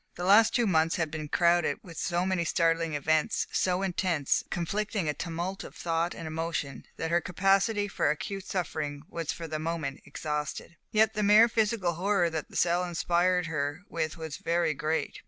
The last two months had been crowded with so many startling events, so intense, conflicting a tumult of thought and emotion, that her capacity for acute suffering was for the moment exhausted. Yet the mere physical horror that the cell inspired her with was very great.